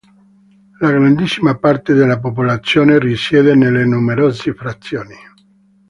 La grandissima parte della popolazione risiede nelle numerose frazioni.